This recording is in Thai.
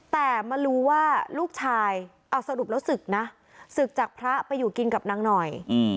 แต่มารู้ว่าลูกชายเอาสรุปแล้วศึกนะศึกจากพระไปอยู่กินกับนางหน่อย